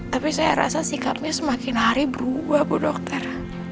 tapi saya rasa sikapnya semakin hari berubah bu dokter